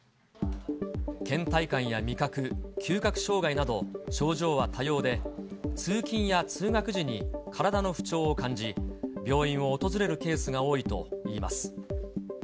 けん怠感や味覚、嗅覚障害など、症状は多様で、通勤や通学時に、体の不調を感じ、病院を訪れるケースが多いといいます。